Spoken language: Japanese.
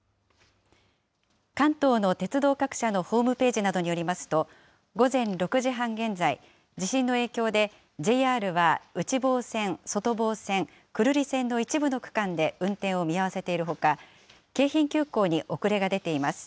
関東の鉄道各社のホームページなどによりますと、午前６時半現在、地震の影響でＪＲは内房線、外房線、久留里線の一部の区間で運転を見合わせているほか、京浜急行に遅れが出ています。